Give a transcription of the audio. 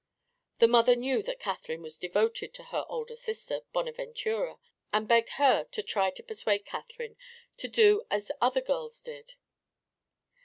The mother knew that Catherine was devoted to her older sister Bonaventura, and begged her to try to persuade Catherine to do as other girls did.